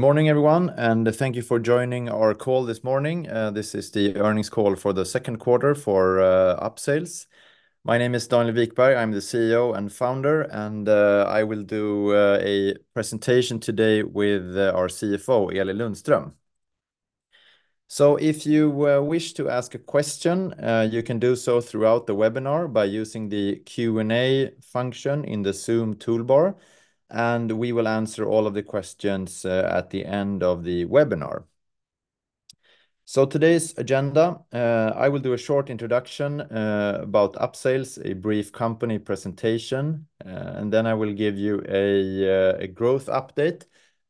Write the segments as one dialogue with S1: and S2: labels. S1: Good morning, everyone, and thank you for joining our call this morning. This is the earnings call for the second quarter for Upsales. My name is Daniel Wikberg. I'm the CEO and founder, and I will do a presentation today with our CFO, Elin Lundström. So if you wish to ask a question, you can do so throughout the webinar by using the Q&A function in the Zoom toolbar, and we will answer all of the questions at the end of the webinar. So today's agenda, I will do a short introduction about Upsales, a brief company presentation, and then I will give you a growth update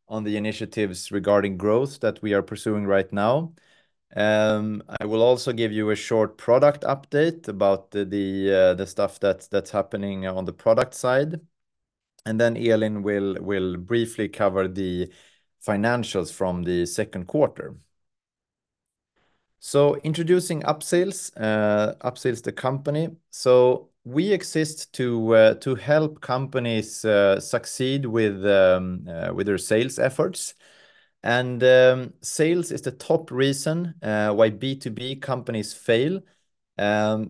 S1: on the initiatives regarding growth that we are pursuing right now. I will also give you a short product update about the stuff that's happening on the product side, and then Elin will briefly cover the financials from the second quarter. So introducing Upsales, the company. So we exist to help companies succeed with their sales efforts, and sales is the top reason why B2B companies fail.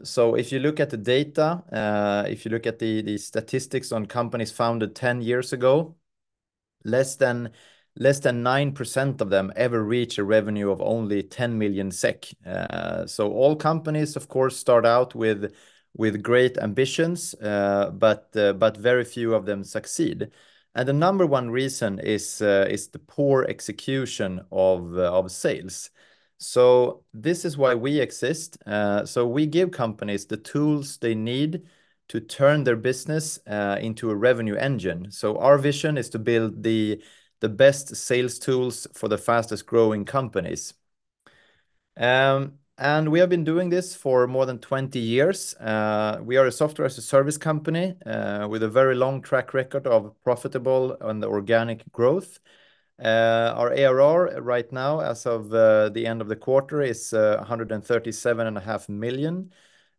S1: So if you look at the data, if you look at the statistics on companies founded 10 years ago, less than 9% of them ever reach a revenue of only 10 million SEK. So all companies, of course, start out with great ambitions, but very few of them succeed. And the number one reason is the poor execution of sales. So this is why we exist. So we give companies the tools they need to turn their business into a revenue engine. So our vision is to build the best sales tools for the fastest-growing companies. And we have been doing this for more than 20 years. We are a software as a service company with a very long track record of profitable and organic growth. Our ARR right now, as of the end of the quarter, is 137.5 million.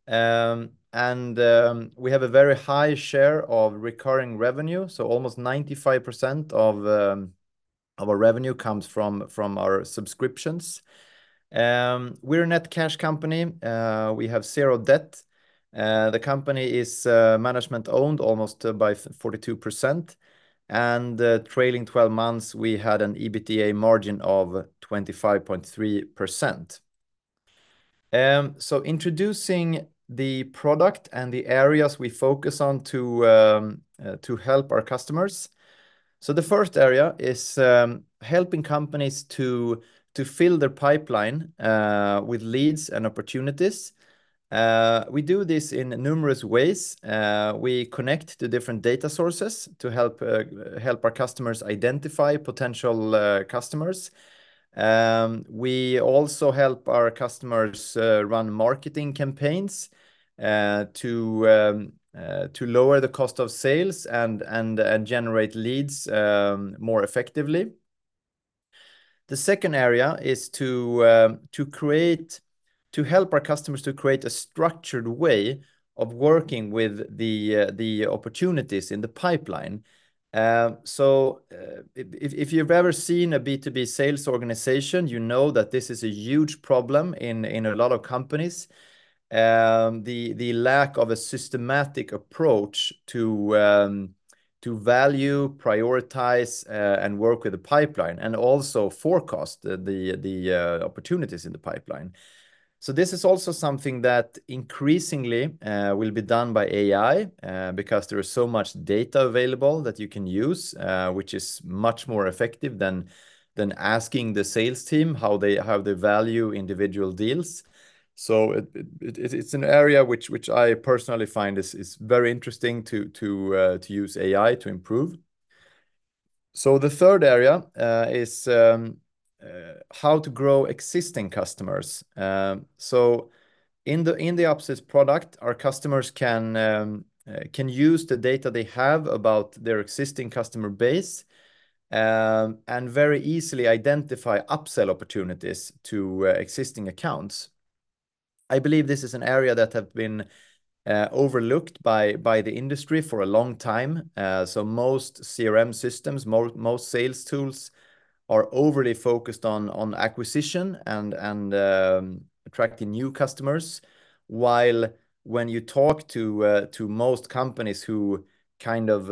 S1: And we have a very high share of recurring revenue, so almost 95% of our revenue comes from our subscriptions. We're a net cash company. We have zero debt. The company is management-owned almost by 42%, and trailing 12 months, we had an EBITDA margin of 25.3%. So introducing the product and the areas we focus on to help our customers. So the first area is helping companies to fill their pipeline with leads and opportunities. We do this in numerous ways. We connect to different data sources to help our customers identify potential customers. We also help our customers run marketing campaigns to lower the cost of sales and generate leads more effectively. The second area is to create- to help our customers to create a structured way of working with the opportunities in the pipeline. So, if you've ever seen a B2B sales organization, you know that this is a huge problem in a lot of companies. The lack of a systematic approach to value, prioritize, and work with the pipeline, and also forecast the opportunities in the pipeline. So this is also something that increasingly will be done by AI, because there is so much data available that you can use, which is much more effective than asking the sales team how they value individual deals. So it's an area which I personally find is very interesting to use AI to improve. So the third area is how to grow existing customers. So in the Upsales product, our customers can use the data they have about their existing customer base, and very easily identify upsell opportunities to existing accounts. I believe this is an area that have been overlooked by the industry for a long time. So most CRM systems, most sales tools are overly focused on acquisition and attracting new customers. While when you talk to most companies who kind of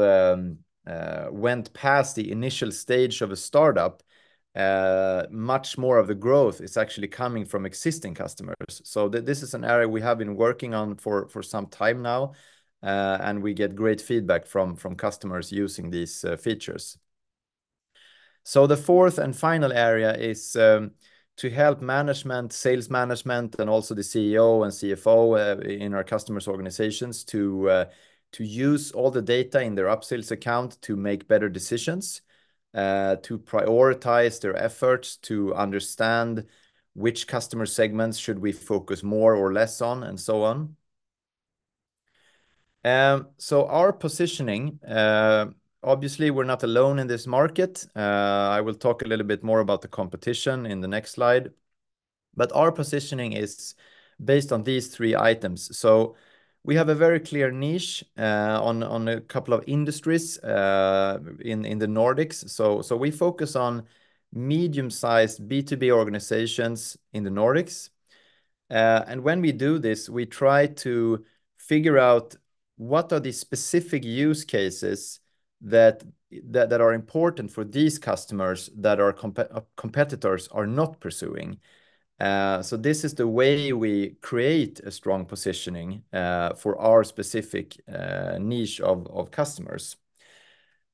S1: went past the initial stage of a startup, much more of the growth is actually coming from existing customers. So this is an area we have been working on for some time now, and we get great feedback from customers using these features. So the fourth and final area is, to help management, sales management, and also the CEO and CFO, in our customers' organizations, to use all the data in their Upsales account to make better decisions, to prioritize their efforts, to understand which customer segments should we focus more or less on, and so on. So our positioning, obviously, we're not alone in this market. I will talk a little bit more about the competition in the next slide... But our positioning is based on these three items. So we have a very clear niche, on a couple of industries, in the Nordics. So we focus on medium-sized B2B organizations in the Nordics. When we do this, we try to figure out what are the specific use cases that are important for these customers that our competitors are not pursuing. This is the way we create a strong positioning for our specific niche of customers.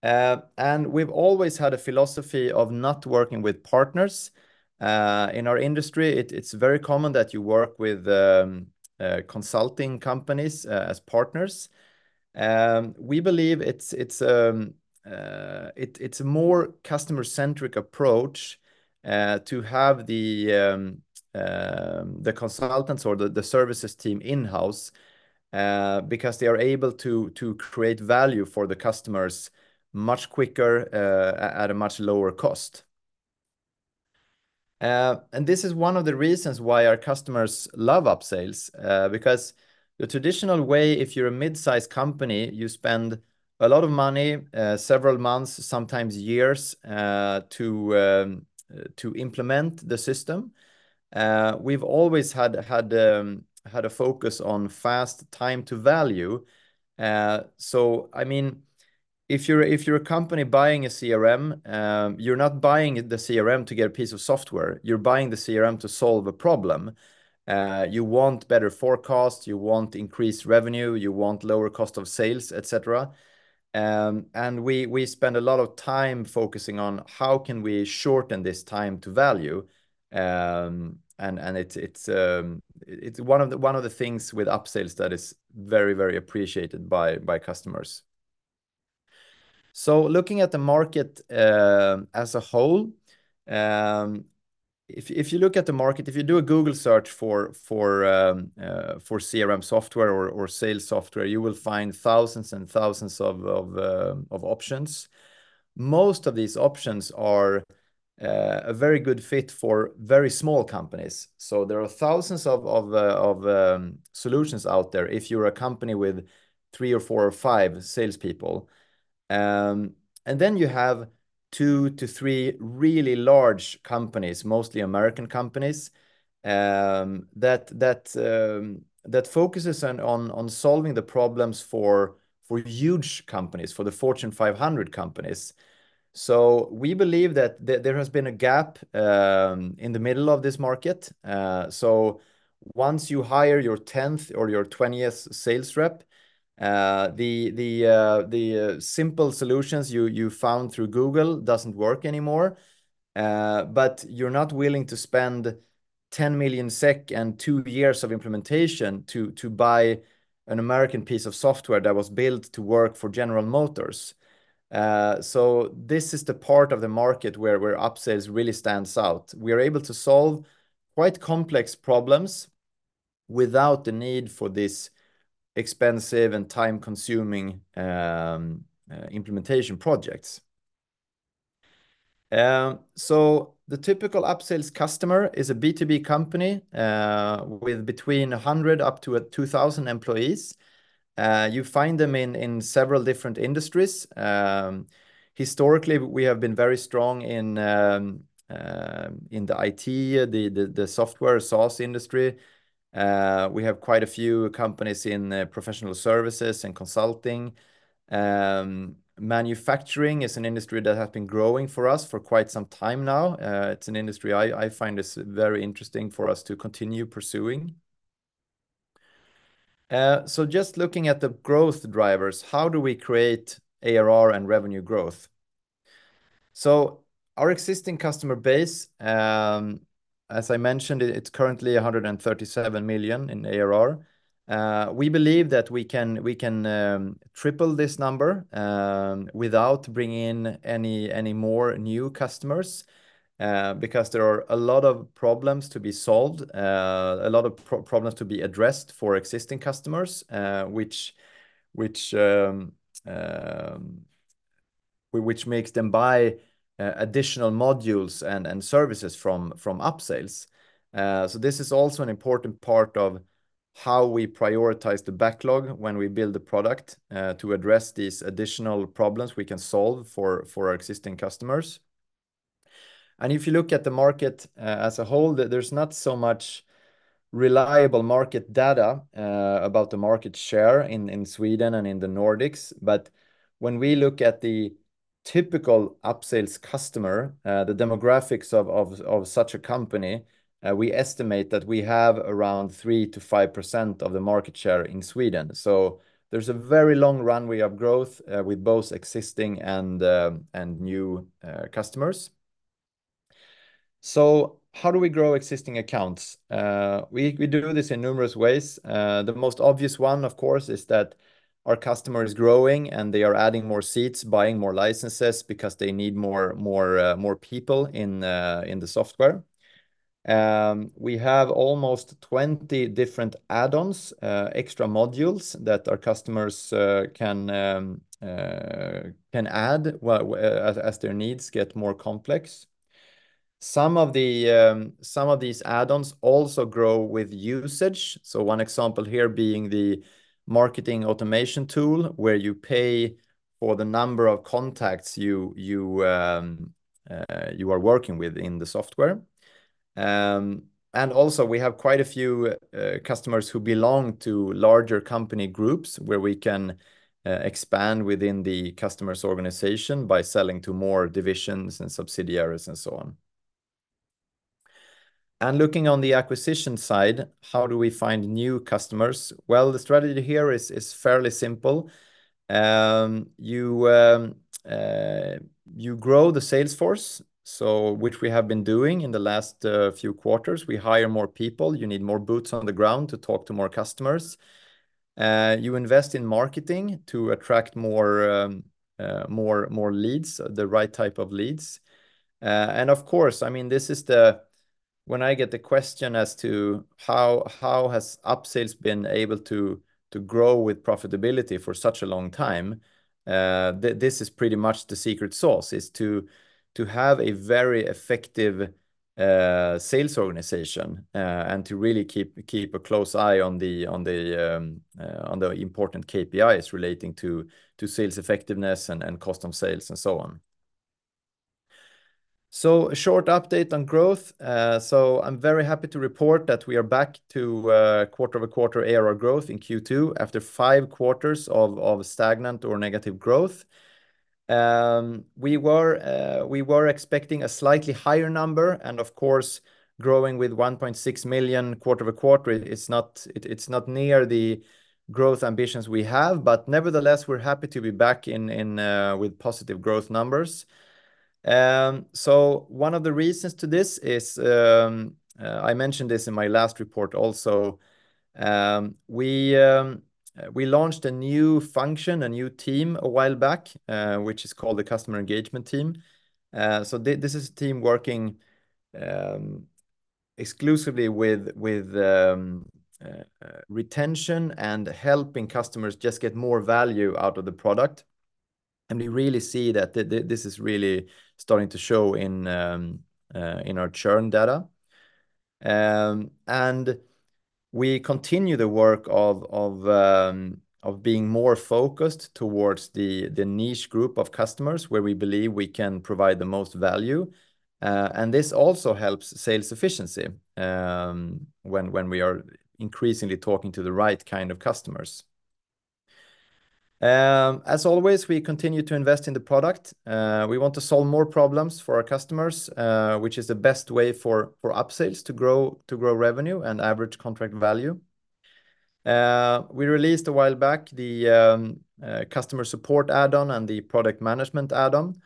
S1: We've always had a philosophy of not working with partners. In our industry, it's very common that you work with consulting companies as partners. We believe it's a more customer-centric approach to have the consultants or the services team in-house because they are able to create value for the customers much quicker at a much lower cost. This is one of the reasons why our customers love Upsales. Because the traditional way, if you're a mid-sized company, you spend a lot of money, several months, sometimes years to implement the system. We've always had a focus on fast time to value. So I mean, if you're a company buying a CRM, you're not buying the CRM to get a piece of software, you're buying the CRM to solve a problem. You want better forecast, you want increased revenue, you want lower cost of sales, et cetera. And we spend a lot of time focusing on how can we shorten this time to value. And it's one of the things with Upsales that is very, very appreciated by customers. So looking at the market, as a whole, if you look at the market, if you do a Google search for CRM software or sales software, you will find thousands and thousands of options. Most of these options are a very good fit for very small companies. So there are thousands of solutions out there if you're a company with three or four or five salespeople. And then you have two to three really large companies, mostly American companies, that focuses on solving the problems for huge companies, for the Fortune 500 companies. So we believe that there has been a gap in the middle of this market. So once you hire your 10th or your 20th sales rep, the simple solutions you found through Google doesn't work anymore. But you're not willing to spend 10 million SEK and two years of implementation to buy an American piece of software that was built to work for General Motors. So this is the part of the market where Upsales really stands out. We are able to solve quite complex problems without the need for this expensive and time-consuming implementation projects. So the typical Upsales customer is a B2B company with between 100 up to 2,000 employees. You find them in several different industries. Historically, we have been very strong in the IT, the SaaS industry. We have quite a few companies in professional services and consulting. Manufacturing is an industry that has been growing for us for quite some time now. It's an industry I find is very interesting for us to continue pursuing. So just looking at the growth drivers, how do we create ARR and revenue growth? Our existing customer base, as I mentioned, it's currently 137 million in ARR. We believe that we can triple this number without bringing in any more new customers, because there are a lot of problems to be solved, a lot of problems to be addressed for existing customers, which makes them buy additional modules and services from Upsales. So this is also an important part of how we prioritize the backlog when we build the product, to address these additional problems we can solve for our existing customers. And if you look at the market, as a whole, there's not so much reliable market data, about the market share in Sweden and in the Nordics. But when we look at the typical Upsales customer, the demographics of such a company, we estimate that we have around 3%-5% of the market share in Sweden. So there's a very long runway of growth, with both existing and new customers. So how do we grow existing accounts? We do this in numerous ways. The most obvious one, of course, is that our customer is growing, and they are adding more seats, buying more licenses because they need more people in the software. We have almost 20 different add-ons, extra modules that our customers can add as their needs get more complex. Some of these add-ons also grow with usage. So one example here being the marketing automation tool, where you pay for the number of contacts you are working with in the software. And also we have quite a few customers who belong to larger company groups, where we can expand within the customer's organization by selling to more divisions and subsidiaries, and so on. Looking on the acquisition side, how do we find new customers? Well, the strategy here is fairly simple. You grow the sales force, so which we have been doing in the last few quarters. We hire more people. You need more boots on the ground to talk to more customers. You invest in marketing to attract more leads, the right type of leads. And of course, I mean, this is when I get the question as to how has Upsales been able to grow with profitability for such a long time. This is pretty much the secret sauce, is to have a very effective sales organization, and to really keep a close eye on the important KPIs relating to sales effectiveness and customer sales, and so on. So a short update on growth. So I'm very happy to report that we are back to quarter-over-quarter ARR growth in Q2, after five quarters of stagnant or negative growth. We were expecting a slightly higher number, and of course, growing with 1.6 million quarter-over-quarter, it's not near the growth ambitions we have, but nevertheless, we're happy to be back in with positive growth numbers. So one of the reasons to this is, I mentioned this in my last report also, we launched a new function, a new team a while back, which is called the customer engagement team. So this is a team working exclusively with retention and helping customers just get more value out of the product, and we really see that this is really starting to show in our churn data. We continue the work of being more focused towards the niche group of customers, where we believe we can provide the most value. This also helps sales efficiency, when we are increasingly talking to the right kind of customers. As always, we continue to invest in the product. We want to solve more problems for our customers, which is the best way for Upsales to grow revenue and average contract value. We released a while back the customer support add-on and the project management add-on,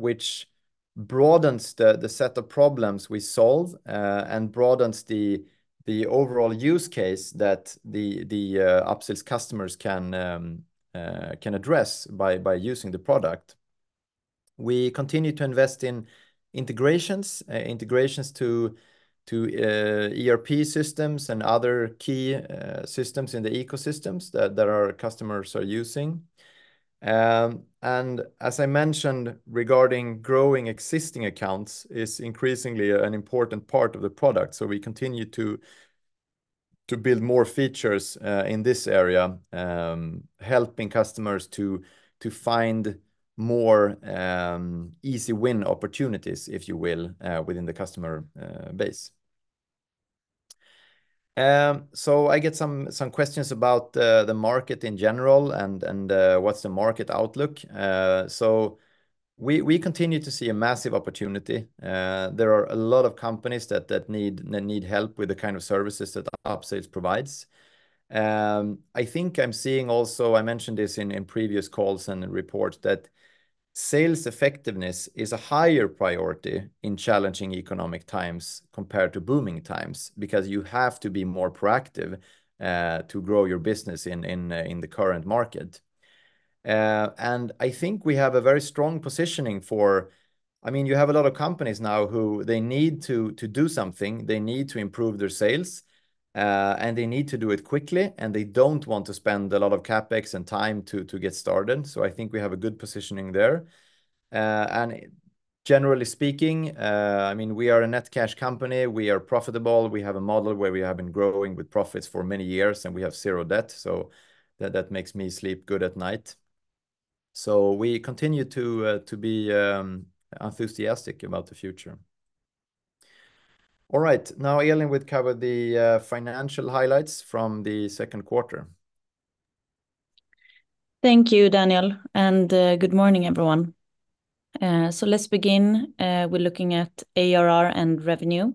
S1: which broadens the set of problems we solve, and broadens the overall use case that the Upsales customers can address by using the product. We continue to invest in integrations to ERP systems and other key systems in the ecosystems that our customers are using. As I mentioned, regarding growing existing accounts is increasingly an important part of the product, so we continue to build more features in this area, helping customers to find more easy win opportunities, if you will, within the customer base. So I get some questions about the market in general, and what's the market outlook. We continue to see a massive opportunity. There are a lot of companies that need help with the kind of services that Upsales provides. I think I'm seeing also, I mentioned this in previous calls and reports, that sales effectiveness is a higher priority in challenging economic times compared to booming times, because you have to be more proactive to grow your business in the current market. And I think we have a very strong positioning for... I mean, you have a lot of companies now who they need to do something, they need to improve their sales, and they need to do it quickly, and they don't want to spend a lot of CapEx and time to get started, so I think we have a good positioning there. And generally speaking, I mean, we are a net cash company. We are profitable. We have a model where we have been growing with profits for many years, and we have zero debt, so that, that makes me sleep good at night. So we continue to be enthusiastic about the future. All right, now Elin will cover the financial highlights from the second quarter.
S2: Thank you, Daniel, and good morning, everyone. So let's begin with looking at ARR and revenue.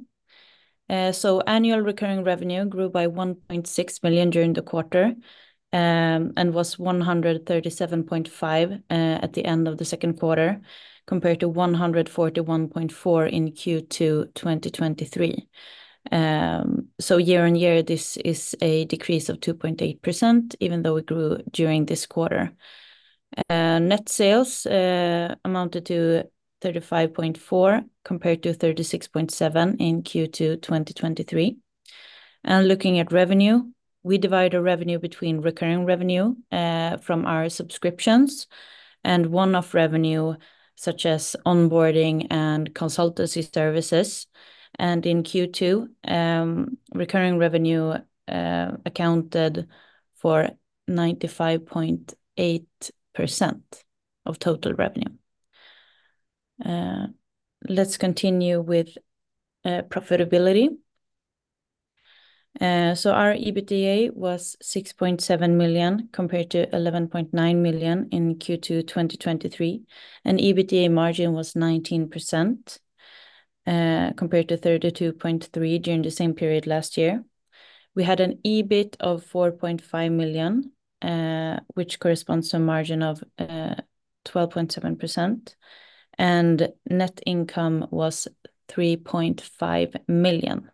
S2: So annual recurring revenue grew by 1.6 million during the quarter, and was 137.5 million at the end of the second quarter, compared to 141.4 million in Q2 2023. So year-on-year, this is a decrease of 2.8%, even though it grew during this quarter. Net sales amounted to 35.4 million, compared to 36.7 million in Q2 2023. And looking at revenue. We divide our revenue between recurring revenue from our subscriptions, and one-off revenue, such as onboarding and consultancy services. And in Q2, recurring revenue accounted for 95.8% of total revenue. Let's continue with profitability. So our EBITDA was 6.7 million, compared to 11.9 million in Q2 2023, and EBITDA margin was 19%, compared to 32.3% during the same period last year. We had an EBIT of 4.5 million, which corresponds to a margin of 12.7%, and net income was 3.5 million.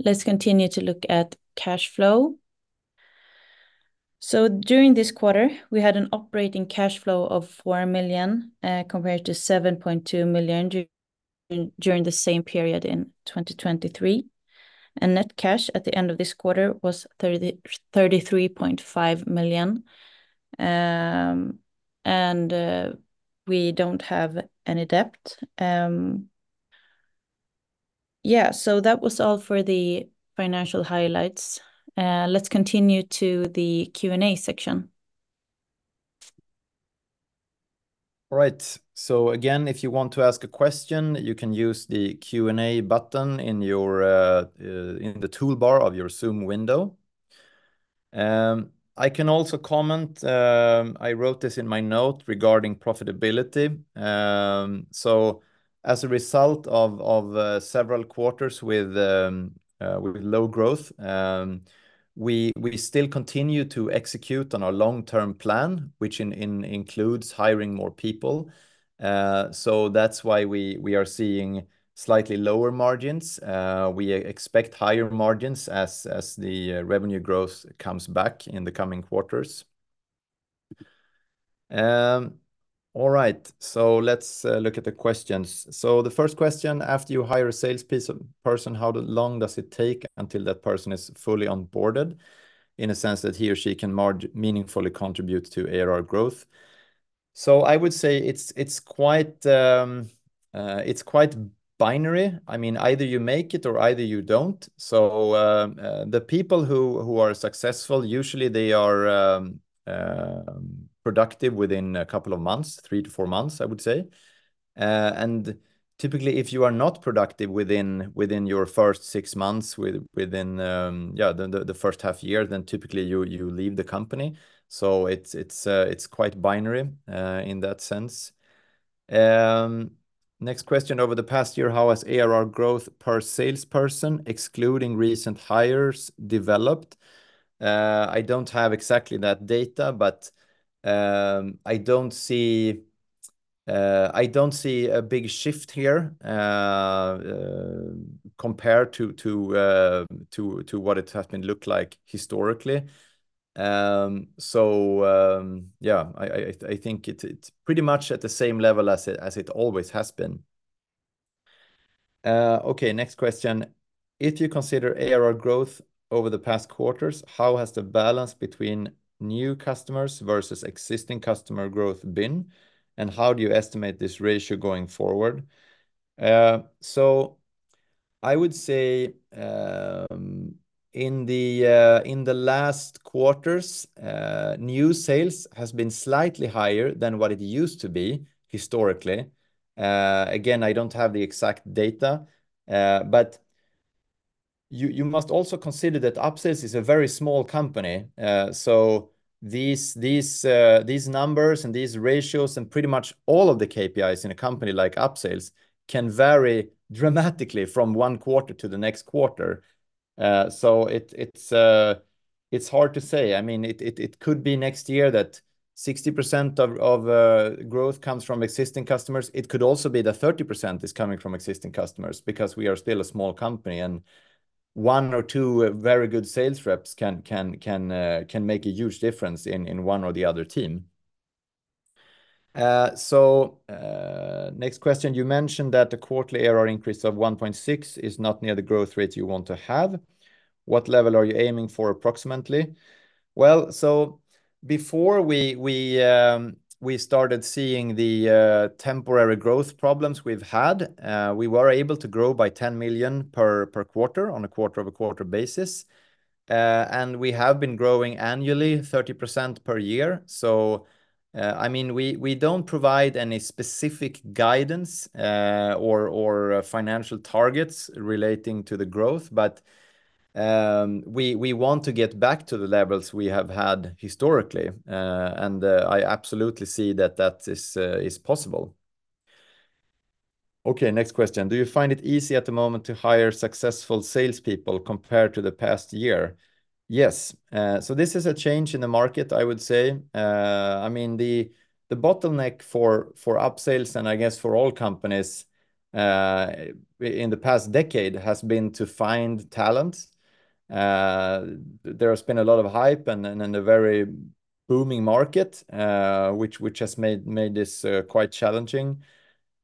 S2: Let's continue to look at cash flow. So during this quarter, we had an operating cash flow of 4 million, compared to 7.2 million during the same period in 2023, and net cash at the end of this quarter was 33.5 million. And, we don't have any debt. Yeah, so that was all for the financial highlights. Let's continue to the Q&A section.
S1: All right, so again, if you want to ask a question, you can use the Q&A button in the toolbar of your Zoom window. I can also comment. I wrote this in my note regarding profitability. So as a result of several quarters with low growth, we still continue to execute on our long-term plan, which includes hiring more people. So that's why we are seeing slightly lower margins. We expect higher margins as the revenue growth comes back in the coming quarters. All right, so let's look at the questions. So the first question: "After you hire a salesperson, how long does it take until that person is fully onboarded, in a sense that he or she can meaningfully contribute to ARR growth?" So I would say it's quite binary. I mean, either you make it or either you don't. So the people who are successful usually they are productive within a couple of months, three to four months, I would say. And typically, if you are not productive within your first six months, within the first half year, then typically you leave the company. So it's quite binary in that sense. Next question: "Over the past year, how has ARR growth per salesperson, excluding recent hires, developed?" I don't have exactly that data, but I don't see a big shift here, compared to what it has been looked like historically. So, yeah, I think it's pretty much at the same level as it always has been. Okay, next question: "If you consider ARR growth over the past quarters, how has the balance between new customers versus existing customer growth been, and how do you estimate this ratio going forward?" So I would say, in the last quarters, new sales has been slightly higher than what it used to be historically. Again, I don't have the exact data, but you must also consider that Upsales is a very small company. So these numbers and these ratios, and pretty much all of the KPIs in a company like Upsales can vary dramatically from one quarter to the next quarter. So it's hard to say. I mean, it could be next year that 60% of growth comes from existing customers. It could also be that 30% is coming from existing customers, because we are still a small company, and one or two very good sales reps can make a huge difference in one or the other team. So, next question: "You mentioned that the quarterly ARR increase of 1.6 million is not near the growth rate you want to have. What level are you aiming for, approximately?" Well, so before we started seeing the temporary growth problems we've had, we were able to grow by 10 million per quarter on a quarter-over-quarter basis. And we have been growing annually 30% per year. So, I mean, we don't provide any specific guidance or financial targets relating to the growth, but we want to get back to the levels we have had historically. And I absolutely see that that is possible. Okay, next question: "Do you find it easy at the moment to hire successful salespeople compared to the past year?" Yes. So this is a change in the market, I would say. I mean, the bottleneck for Upsales, and I guess for all companies, in the past decade, has been to find talent. There has been a lot of hype and a very booming market, which has made this quite challenging.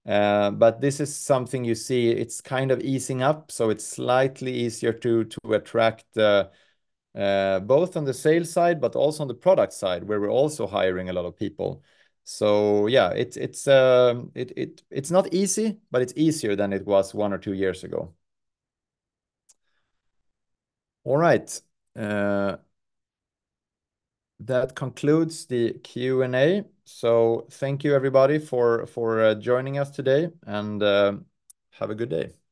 S1: But this is something you see, it's kind of easing up, so it's slightly easier to attract both on the sales side, but also on the product side, where we're also hiring a lot of people. So yeah, it's not easy, but it's easier than it was one or two years ago. All right, that concludes the Q&A. So thank you, everybody, for joining us today, and have a good day.